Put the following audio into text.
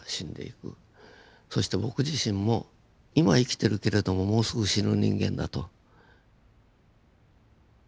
そして僕自身も今生きてるけれどももうすぐ死ぬ人間だと。